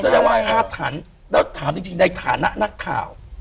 แล้วถามจริงในฐานะนักข่าว